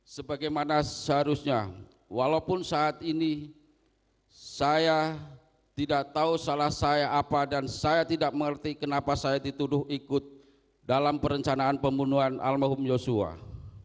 sebagaimana seharusnya walaupun saat ini saya tidak tahu salah saya apa dan saya tidak mengerti kenapa saya dituduh ikut dalam perencanaan pembunuhan almarhum yosua